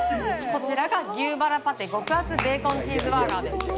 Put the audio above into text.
こちらが牛バラパテ極厚ベーコンチーズバーガーです。